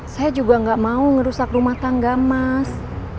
saya juga gak mau ngerusak rumah tangga mas